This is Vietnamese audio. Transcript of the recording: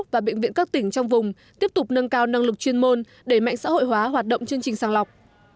và bệnh viện các tỉnh trong vùng tiếp tục nâng cao năng lực chuyên môn để mạnh xã hội hóa hoạt động chương trình sàng lọc